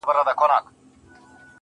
په زگېرويو په آهونو کي چي ساز دی,